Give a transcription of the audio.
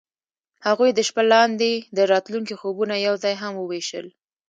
هغوی د شپه لاندې د راتلونکي خوبونه یوځای هم وویشل.